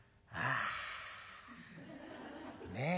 あねえ。